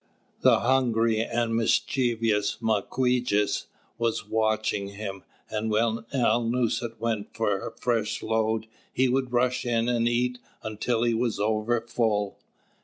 The hungry and mischievous Mawquejess was watching him, and when Alnūset went for a fresh load, he would rush in and eat until he was over full.